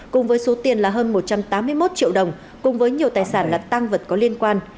cùng với số tiền là hơn một trăm tám mươi một triệu đồng cùng với nhiều tài sản là tăng vật có liên quan